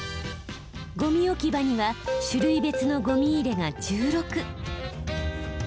ゴミ置き場には種類別のゴミ入れが１６。